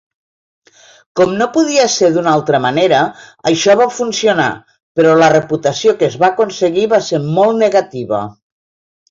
Com no podia ser d'una altra manera, això va funcionar, però la reputació que es va aconseguir va ser molt negativa.